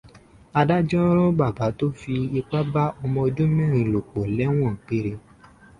Adájọ́ rán bàbá tó fi ipá bá ọmọ ọdún mẹ́rin lò pọ̀ lẹ́wọ̀n gbére.